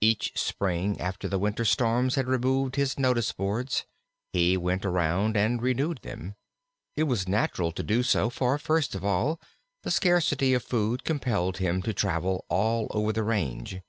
Each spring, after the winter storms had removed his notice boards, he went around and renewed them. It was natural to do so, for, first of all, the scarcity of food compelled him to travel all over the range.